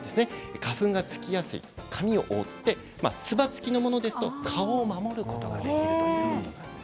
花粉がつきやすい髪を覆ってつば付きのものですと顔を守ることができるということです。